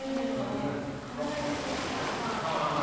体に気を使った。